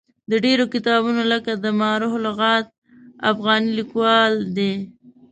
د ډېرو کتابونو لکه ما رخ لغات افغاني لیکوال دی.